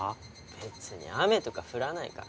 別に雨とか降らないから。